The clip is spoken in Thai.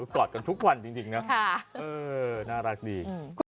กอดกันทุกวันจริงนะ